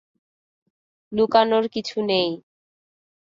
লুকানোর কিছু নেই।